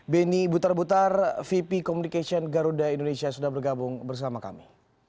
beni butar butar vp communication garuda indonesia sudah bergabung bersama kami